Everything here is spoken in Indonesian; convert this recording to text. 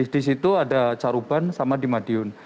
di situ ada caruban sama di madiun